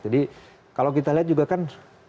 jadi kalau kita lihat juga kan